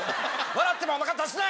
笑ってもおなか出すな！